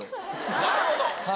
なるほど。